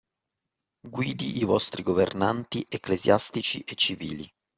Guidi i vostri Governanti ecclesiastici e civili